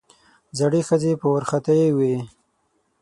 زړې ښځې په وارخطايي وې.